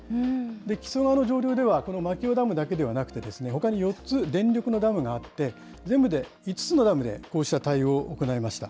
木曽川の上流では、この牧尾ダムだけではなくて、ほかに４つ、電力のダムがあって、全部で５つのダムでこうした対応を行いました。